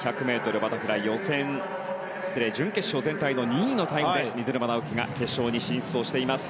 １００ｍバタフライ準決勝全体の２位のタイムで水沼尚輝が決勝に進出しています。